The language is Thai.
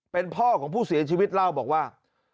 เป็นพ่อของผู้เสียชีวิตเล่าบอกว่า